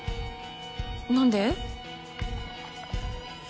何で？